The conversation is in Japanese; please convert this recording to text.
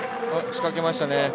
しかけましたね。